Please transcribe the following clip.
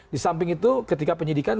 di samping itu ketika penyidikan